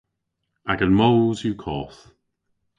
Agan moos yw koth.